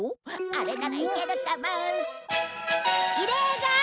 あれならいけるかも。